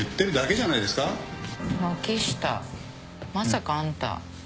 軒下まさかあんた。